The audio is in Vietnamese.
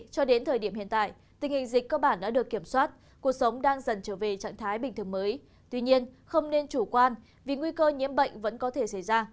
cho đến thời điểm hiện tại tình hình dịch cơ bản đã được kiểm soát cuộc sống đang dần trở về trạng thái bình thường mới